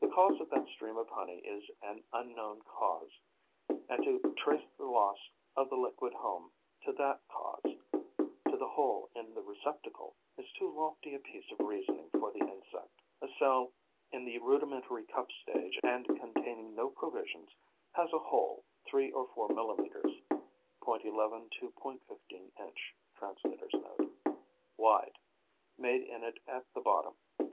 The cause of that stream of honey is an unknown cause; and to trace the loss of the liquid home to that cause, to the hole in the receptacle, is too lofty a piece of reasoning for the insect. A cell in the rudimentary cup stage and containing no provisions has a hole, three or four millimetres (.11 to.15 inch. Translator's Note.) wide, made in it at the bottom.